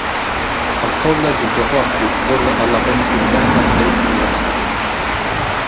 Al college giocò a football alla Pennsylvania State University.